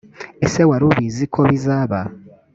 ese wari ubizi ko bizaba?